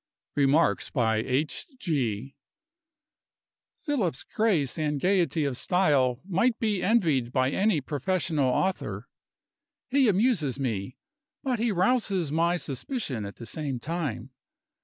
....... Remarks by H. G. Philip's grace and gayety of style might be envied by any professional Author. He amuses me, but he rouses my suspicion at the same time.